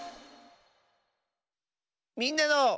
「みんなの」。